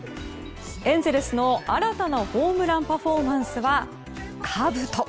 エンゼルスの新たなホームランパフォーマンスはかぶと。